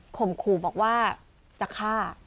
มขู่บอกว่าจะฆ่า